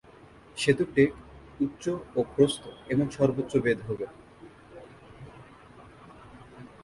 সেতুর ডেক উচ্চ ও প্রস্থ এবং সর্বোচ্চ বেধ হবে।